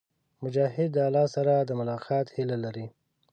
مجاهد د الله سره د ملاقات هيله لري.